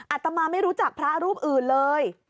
อาตมาไม่รู้จักพระรูปอื่นเลย